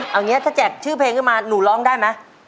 เอาเนี้ยถ้าแจ็คชื่อเพลงขึ้นมาหนูร้องได้มั้ย